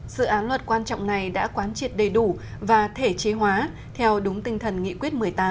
dự án luật quan trọng này đã quán triệt đầy đủ và thể chế hóa theo đúng tinh thần nghị quyết một mươi tám